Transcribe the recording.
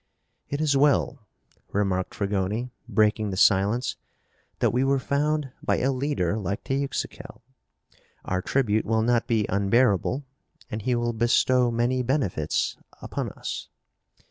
"It is well," remarked Fragoni, breaking the silence, "that we were found by a leader like Teuxical. Our tribute will not be unbearable, and he will bestow many benefits upon us."